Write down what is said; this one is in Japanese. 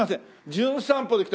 『じゅん散歩』で来た